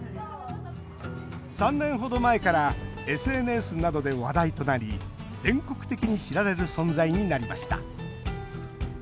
３年程前からＳＮＳなどで話題となり全国的に知られる存在になりました。